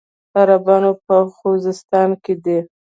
عربان په خوزستان کې دي.